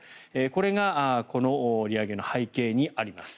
これがこの利上げの背景にあります。